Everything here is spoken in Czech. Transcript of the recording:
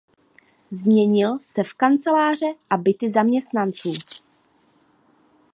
Změnil se v kanceláře a byty zaměstnanců.